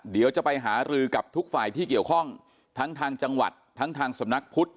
เดี๋ยวจะไปหารือกับทุกฝ่ายที่เกี่ยวข้องทั้งทางจังหวัดทั้งทางสำนักพุทธ